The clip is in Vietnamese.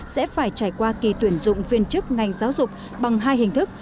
sẽ phải trải qua kỳ tuyển dụng viên chức ngành giáo dục bằng hai hình thức